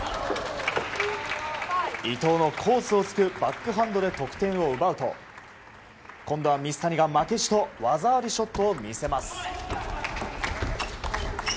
伊藤のコースをつくバックハンドで得点を奪うと今度は、水谷が負けじと技ありショットを見せます。